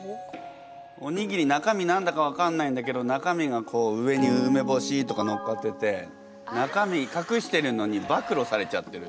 おにぎり中身何だか分かんないんだけど中身がこう上に梅干しとかのっかってて中身かくしてるのに暴露されちゃってる。